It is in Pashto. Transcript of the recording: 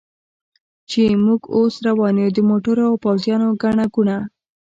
چې موږ اوس روان و، د موټرو او پوځیانو ګڼه ګوڼه.